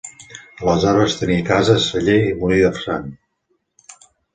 Aleshores, tenia cases, celler i molí de sang.